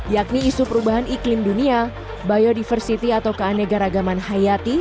yakni isu perubahan iklim dunia biodiversity atau keanegaragaman hayati